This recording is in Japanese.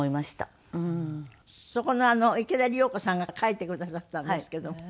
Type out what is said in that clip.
そこの池田理代子さんが描いてくださったんですけど。